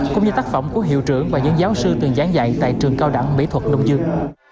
cũng như tác phẩm của hiệu trưởng và những giáo sư từng gián dạy tại trường cao đẳng mỹ thuật đông dương